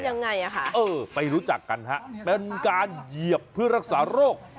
ยังไงอ่ะค่ะเออไปรู้จักกันฮะเป็นการเหยียบเพื่อรักษาโรค